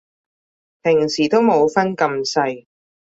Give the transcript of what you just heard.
平時都冇分咁細